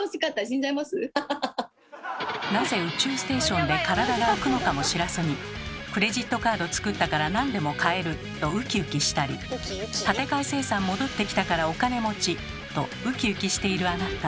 なぜ宇宙ステーションで体が浮くのかも知らずに「クレジットカード作ったから何でも買える」とウキウキしたり「立て替え精算戻ってきたからお金持ち！」とウキウキしているあなた。